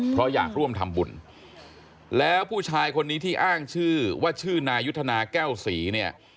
เพราะอยากร่วมทำบุญแล้วผู้ชายคนนี้ที่อ้างชื่อว่าชื่อนายุทธนาแก้วศรีเนี่ย